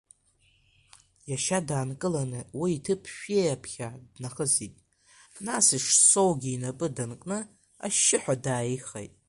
Иашьа даанкыланы уи аҭыԥ шәии аԥхьа днахысит, нас Ешсоугьы инапы данкны, ашьшьыҳәа дааихеит.